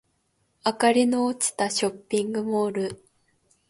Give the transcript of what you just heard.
明かりの落ちたショッピングモール